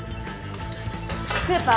クーパー。